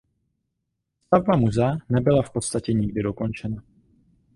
Stavba muzea nebyla v podstatě nikdy dokončena.